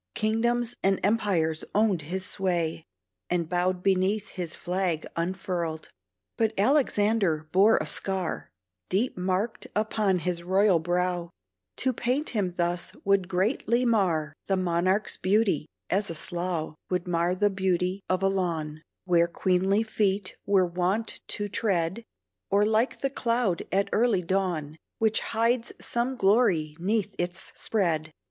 Kingdoms and empires owned his sway And bowed beneath his flag unfurled. But Alexander bore a scar, Deep marked upon his royal brow; To paint him thus would greatly mar The monarch's beauty; as a slough Would mar the beauty of a lawn, Where queenly feet are wont to tread; Or like the cloud at early dawn, Which hides some glory 'neath its spread.